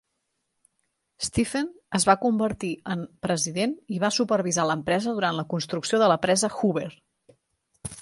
Stephen es va convertir en president i va supervisar l'empresa durant la construcció de la presa Hoover.